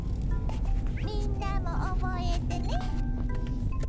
みんなも覚えてね！